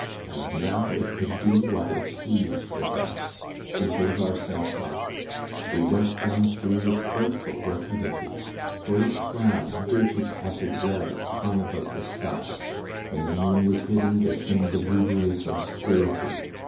And now it could do what it pleased with us. We gave ourselves up. We went downstream with frightful rapidity. Great clouds, dirty tattered rags hung about the sky; when the moon was hidden there came lugubrious obscurity.